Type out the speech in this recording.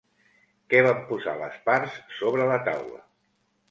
Què van posar les parts sobre la taula?